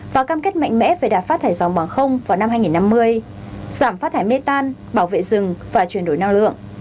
và cam kết mạnh mẽ về đạt phát thải dòng bằng không vào năm hai nghìn năm mươi giảm phát thải mê tan bảo vệ rừng và chuyển đổi năng lượng